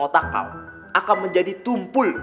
otak kaum akan menjadi tumpul